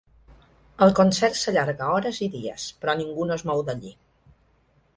El concert s'allarga hores i dies, però ningú no es mou d'allí.